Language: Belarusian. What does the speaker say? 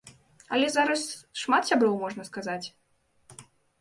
Але зараз шмат сяброў, можна сказаць.